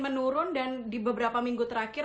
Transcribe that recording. menurun dan di beberapa minggu terakhir